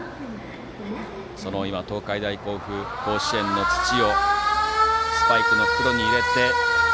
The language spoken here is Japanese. その東海大甲府甲子園の土をスパイクの袋に入れて。